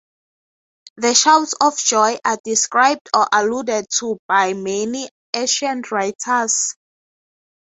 The shouts of joy are described or alluded to by many ancient writers.